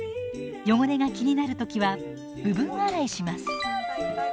汚れが気になる時は部分洗いします。